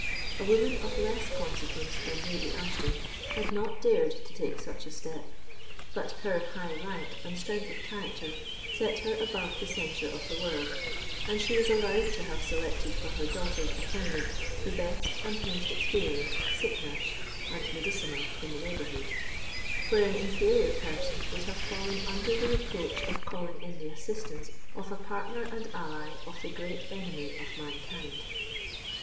A woman of less consequence than Lady Ashton had not dared to take such a step; but her high rank and strength of character set her above the censure of the world, and she was allowed to have selected for her daughter's attendant the best and most experienced sick nurse and "mediciner" in the neighbourhood, where an inferior person would have fallen under the reproach of calling in the assistance of a partner and ally of the great Enemy of mankind.